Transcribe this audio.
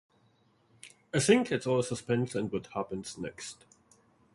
I think it's all suspense and what-happens-next.